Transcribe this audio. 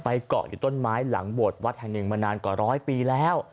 เกาะอยู่ต้นไม้หลังโบสถวัดแห่งหนึ่งมานานกว่าร้อยปีแล้ว